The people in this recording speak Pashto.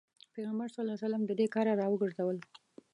پيغمبر ص له دې کاره راوګرځول.